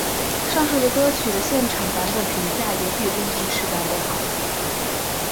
上述的歌曲的现场版本评价也比录音室版本好。